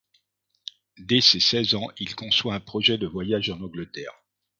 Dès ses seize ans, il conçoit un projet de voyage en Angleterre.